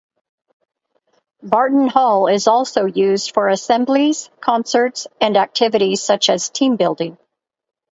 Barton Hall is also used for assemblies, concerts and activities such as team building.